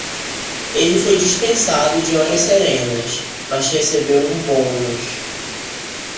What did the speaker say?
Ele foi dispensado de horas serenas, mas recebeu um bônus.